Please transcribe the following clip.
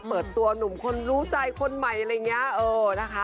เปิดตัวหนุ่มคนรู้ใจคนใหม่อะไรอย่างนี้นะคะ